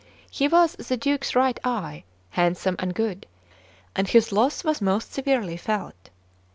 He was the Duke's right eye, handsome and good, and his loss was most severely felt.